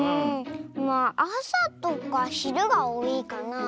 まああさとかひるがおおいかな。